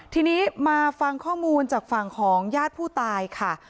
ทีนี้มาฟังข้อมูลจากฝั่งของญาติผู้ตายค่ะ